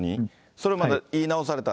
それを言い直された。